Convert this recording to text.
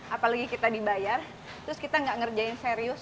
apalagi kita dibayar terus kita nggak ngerjain serius